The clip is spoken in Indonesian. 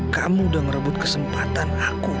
kamu udah ngerebut kesempatan aku